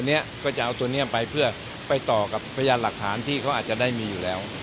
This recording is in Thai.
อันนี้ก็จะเอาตัวนี้ไปเพื่อไปต่อกับพยานหลักฐานที่เขาอาจจะได้มีอยู่แล้ว